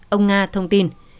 ông nga thông tin